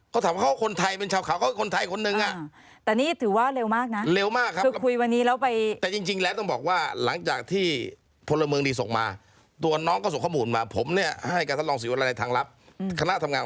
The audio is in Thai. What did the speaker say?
เขาถามว่าเขาคนไทยเป็นชาวขาวเขาเป็นคนไทยคนหนึ่งอะ